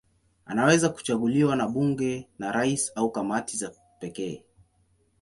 Anaweza kuchaguliwa na bunge, na rais au kamati za pekee.